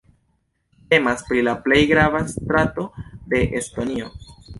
Temas pri la plej grava strato de Estonio.